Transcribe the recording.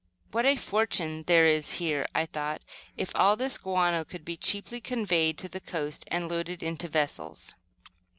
"What a fortune there is here," I thought, "if all this guano could be cheaply conveyed to the coast and loaded into vessels."